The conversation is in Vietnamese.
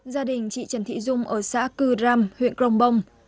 gia đình chị trần thị dung ở xã cư đram huyện công bông